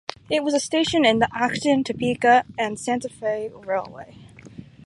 It was a station on the Atchison, Topeka and Santa Fe Railway.